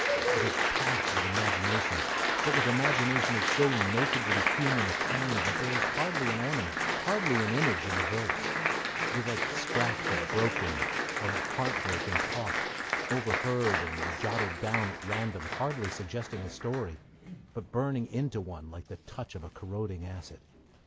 It is packed with imagination, but with imagination of so nakedly human a kind that there is hardly an ornament, hardly an image, in the verse: it is like scraps of broken, of heart broken, talk, overheard and jotted down at random, hardly suggesting a story, but burning into one like the touch of a corroding acid.